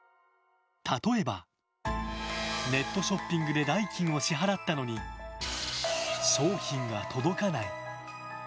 例えば、ネットショッピングで代金を支払ったのに商品が届かない。